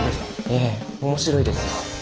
ええ面白いですよ。